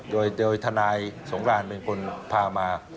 โดยทนายสงราญเป็นคนพามา